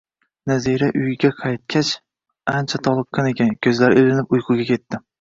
Nazira uyiga qaytgach, ancha toliqqan ekan, ko`zlari ilinib uyquga ketdi